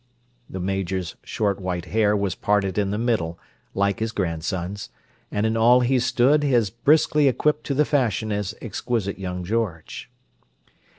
The Major's short white hair was parted in the middle, like his grandson's, and in all he stood as briskly equipped to the fashion as exquisite young George.